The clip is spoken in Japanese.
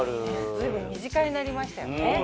随分身近になりましたよね。